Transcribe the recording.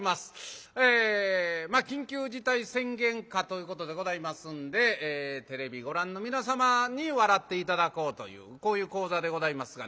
えまあ緊急事態宣言下ということでございますんでテレビご覧の皆様に笑って頂こうというこういう高座でございますがね。